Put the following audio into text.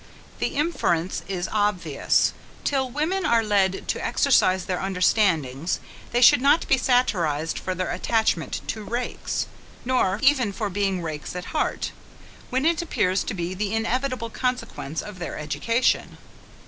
The inference is obvious; till women are led to exercise their understandings, they should not be satirized for their attachment to rakes; nor even for being rakes at heart, when it appears to be the inevitable consequence of their education.